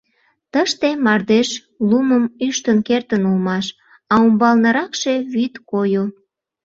Тыште мардеж лумым ӱштын кертын улмаш, а умбалныракше вӱд койо.